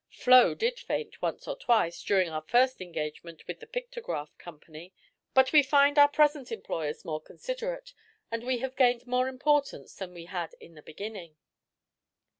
Flo did faint, once or twice, during our first engagement with the Pictograph Company; but we find our present employers more considerate, and we have gained more importance than we had in the beginning."